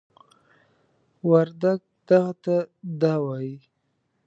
وردگ "دغه" ته "دَ" وايي.